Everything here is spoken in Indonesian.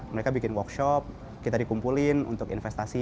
mereka bikin workshop kita dikumpulin untuk investasi